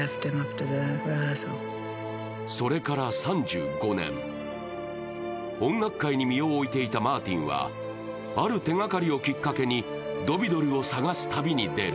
それから３５年、音楽界に身を置いていたマーティンはある手がかりをきっかけに、ドヴィドルを捜す旅に出る。